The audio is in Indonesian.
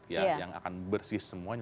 yang akan bersih semuanya